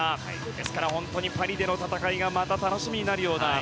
ですから本当にパリでの戦いがまた楽しみになるような。